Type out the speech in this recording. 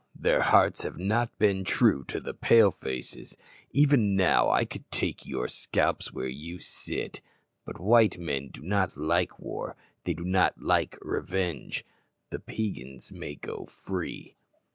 Their hearts have not been true to the Pale faces. Even now I could take your scalps where you sit, but white men do not like war, they do not like revenge. The Peigans may go free."